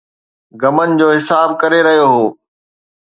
غمن جو حساب ڪري رهيو هو